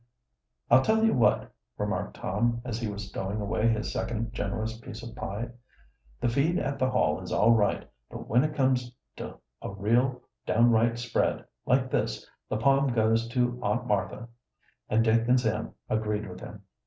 "I'll tell you what," remarked Tom, as he was stowing away his second generous piece of pie, "the feed at the Hall is all right, but when it comes to a real, downright spread, like this, the palm goes to Aunt Martha." And Dick and Sam agreed with him.